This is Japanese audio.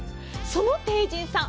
その帝人さん。